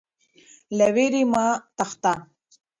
له ویرې مه تښته.